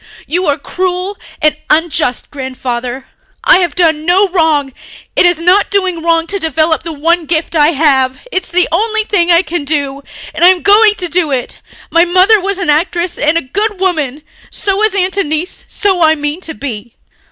"You are cruel and unjust, Grandfather. I have done no wrong ... it is not doing wrong to develop the one gift I have. It's the only thing I can do ... and I am going to do it. My mother was an actress and a good woman. So is Aunt Annice. So I mean to be."